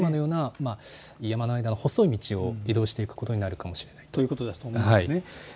山の間の細い道を移動していくことになるかもしれないということですね。